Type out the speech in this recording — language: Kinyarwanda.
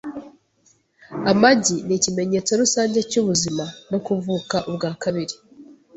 Amagi nikimenyetso rusange cyubuzima no kuvuka ubwa kabiri.